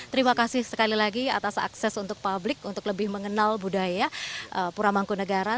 terima kasih sekali lagi atas akses untuk publik untuk lebih mengenal budaya pura mangkunegara